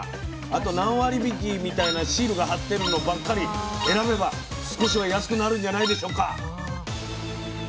あと何割引きみたいなシールが貼ってるのばっかり選べば少しは安くなるんじゃないでしょうか。